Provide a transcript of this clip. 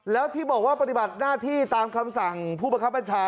แล้วที่บอกว่าปฏิบัติหน้าที่ตามคำสั่งผู้บังคับบัญชา